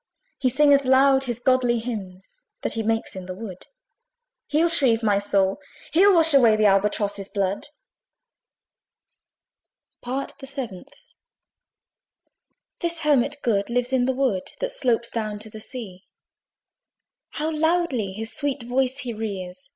He singeth loud his godly hymns That he makes in the wood. He'll shrieve my soul, he'll wash away The Albatross's blood. PART THE SEVENTH. This Hermit good lives in that wood Which slopes down to the sea. How loudly his sweet voice he rears!